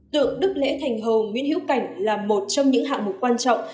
tượng đức lễ thành hầu nguyễn hữu cảnh là một trong những hạng mục quan trọng